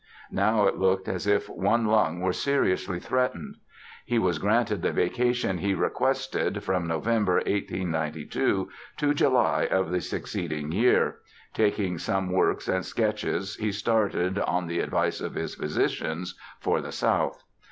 Now it looked as if one lung were seriously threatened. He was granted the vacation he requested, from November, 1892, to July of the succeeding year. Taking some works and sketches he started, on the advice of his physicians, for the south.